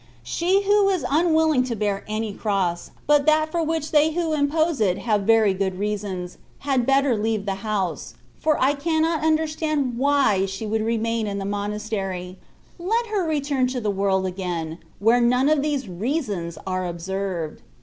She who is unwilling to bear any cross, but that for which they who impose it have very good reasons, had better leave the house, for I cannot understand why she should remain in the monastery — ^let her return to the world again, where none of these " reasons" are observed.